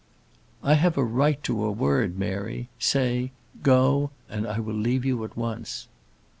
"I have a right to a word, Mary; say 'Go,' and I will leave you at once."